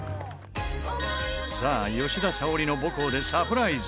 さあ吉田沙保里の母校でサプライズ。